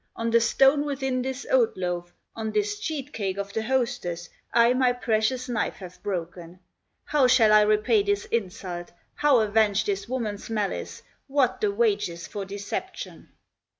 On the stone within this oat loaf, On this cheat cake of the hostess, I my precious knife have broken. How shall I repay this insult, How avenge this woman's malice, What the wages for deception?"